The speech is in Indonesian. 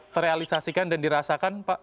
terrealisasikan dan dirasakan pak